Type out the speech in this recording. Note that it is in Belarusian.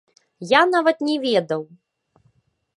Я нават не ведаў.